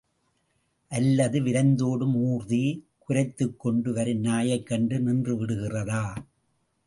அல்லது விரைந்தோடும் ஊர்தி, குரைத்துக்கொண்டு வரும் நாயைக் கண்டு நின்று விடுகிறதா?